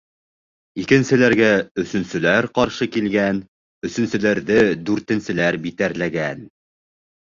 Икенселәргә өсөнсөләр ҡаршы килгән, өсөнсөләрҙе дүртенселәр битәрләгән...